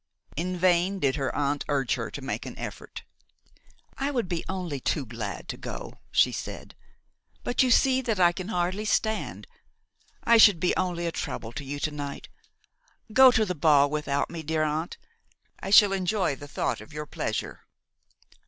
In vain did her aunt urge her to make an effort. "I would be only too glad to go," she said, "but you see that I can hardly stand. I should be only a trouble to you to night. Go to the ball without me, dear aunt; I shall enjoy the thought of your pleasure."